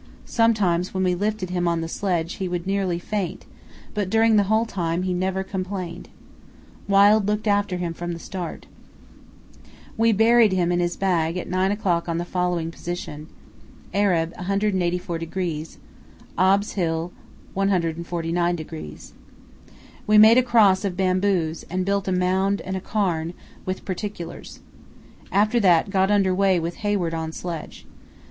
Sometimes when we lifted him on the sledge he would nearly faint, but during the whole time he never complained. Wild looked after him from the start. We buried him in his bag at 9 o'clock at the following position: Ereb. 184°—Obs. Hill 149°. We made a cross of bamboos, and built a mound and cairn, with particulars. After that got under way with Hayward on sledge.